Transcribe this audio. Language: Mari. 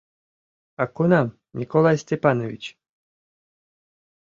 — А кунам, Николай Степанович?